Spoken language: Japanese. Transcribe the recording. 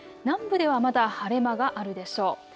南部ではまだ晴れ間があるでしょう。